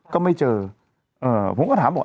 ก็ไม่เจอผมก็ถามบอก